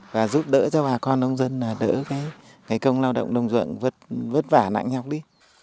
và giúp đỡ cho bà con nông dân là đỡ cái công lao động nông dượng vất vả nặng nhọc đi